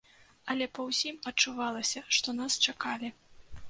Але па ўсім адчувалася, што нас чакалі.